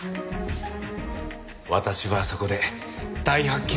私はそこで大発見をしたよ。